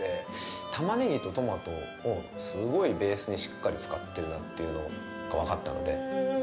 タマネギをトマトをすごいベースにしっかり使っているのが分かったので。